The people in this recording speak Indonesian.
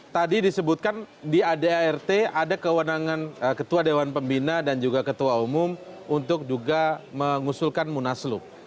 tadi disebutkan di adart ada kewenangan ketua dewan pembina dan juga ketua umum untuk juga mengusulkan munaslup